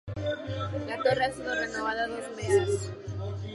La torre ha sido renovada dos veces.